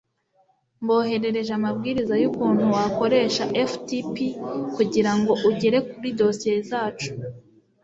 Mboherereje amabwiriza yukuntu wakoresha FTP kugirango ugere kuri dosiye zacu